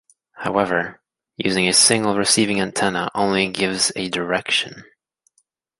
However, using a single receiving antenna only gives a direction.